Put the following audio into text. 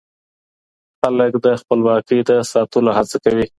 خلګ د خپلواکۍ د ساتلو هڅه کوي.